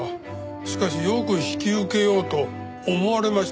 しかしよく引き受けようと思われましたね。